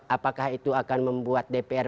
apakah itu akan membuat dpr